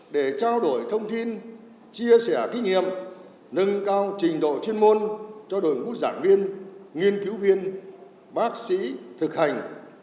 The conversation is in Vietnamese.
để trao đổi thông tin chia sẻ kinh nghiệm nâng cao trình độ chuyên môn cho đội ngũ giảng viên nghiên cứu viên bác sĩ thực hành